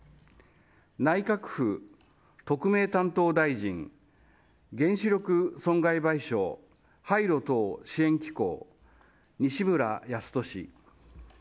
内閣府特命担当大臣原子力損害賠償廃炉等支援機構西村康稔。